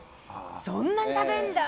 そんなに食べるんだ。